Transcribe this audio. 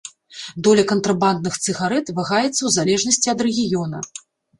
Доля кантрабандных цыгарэт вагаецца ў залежнасці ад рэгіёна.